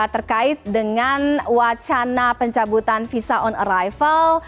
terkait dengan wacana pencabutan visa on arrival